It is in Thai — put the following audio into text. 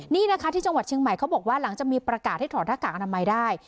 นี่นะคะที่จังหวัดเชียงใหม่เขาบอกว่าหลังจากมีประกาศให้ถอดหน้ากากอนามัยได้